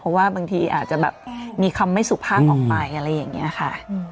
เพราะว่าบางทีอาจจะแบบมีคำไม่สุภาพออกไปอะไรอย่างนี้ค่ะ